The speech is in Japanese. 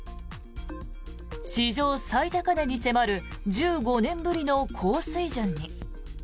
史上最高値に迫る１５年ぶりの高水準に。